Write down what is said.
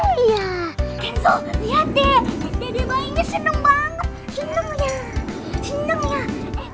seneng ya main air